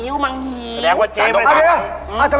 แสดงว่าจ๊ะ